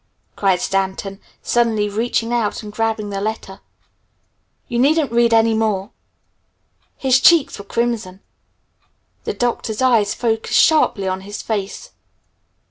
cried Stanton suddenly reaching out and grabbing the letter. "Here! You needn't read any more!" His cheeks were crimson. The Doctor's eyes focused sharply on his face.